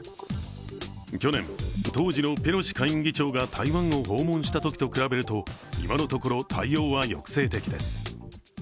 去年、当時のペロシ下院議長が台湾を訪問したときと比べると今のところ、対応は抑制的です。